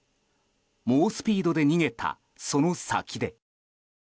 猛スピードで逃げたその先で。